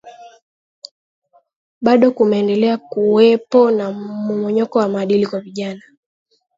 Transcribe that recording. Bado kumeendelea kuwepo na mmomonyoko wa maadili kwa vijana